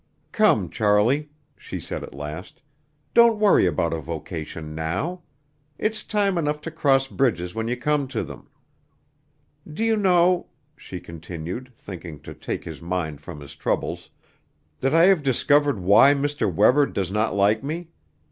"Come, Charlie," she said at last, "don't worry about a vocation now. It's time enough to cross bridges when you come to them. Do you know," she continued, thinking to take his mind from his troubles, "that I have discovered why Mr. Webber does not like me?